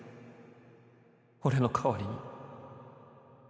俺の代わりに